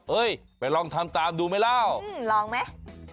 เอ้ยไปลองทำตามดูไหมล่ะอืมลองไหม